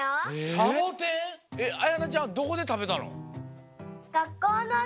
あやなちゃんはどこでたべたの？